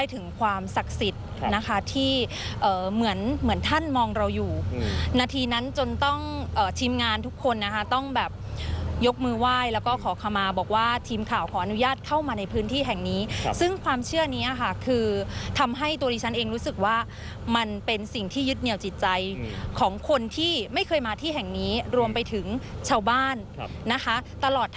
ถึงความศักดิ์สิทธิ์นะคะที่เหมือนเหมือนท่านมองเราอยู่นาทีนั้นจนต้องทีมงานทุกคนนะคะต้องแบบยกมือไหว้แล้วก็ขอขมาบอกว่าทีมข่าวขออนุญาตเข้ามาในพื้นที่แห่งนี้ซึ่งความเชื่อนี้ค่ะคือทำให้ตัวดิฉันเองรู้สึกว่ามันเป็นสิ่งที่ยึดเหนียวจิตใจของคนที่ไม่เคยมาที่แห่งนี้รวมไปถึงชาวบ้านนะคะ